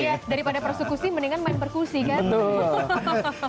iya daripada persekusi mendingan main perkusikan